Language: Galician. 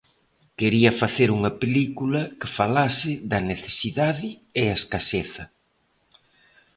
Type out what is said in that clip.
Quería facer unha película que falase da necesidade e a escaseza.